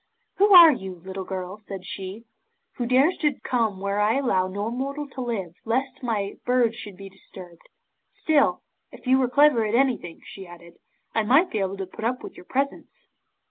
'"Who are you, little girl," said she, "who dares to come where I allow no mortal to live, lest my birds should be disturbed? Still, if you are clever at anything," she added, "I might be able to put up with your presence."